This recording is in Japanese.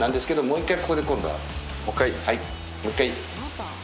もう１回ここで。